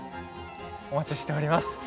お待ちしております。